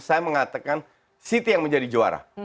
saya mengatakan city yang menjadi juara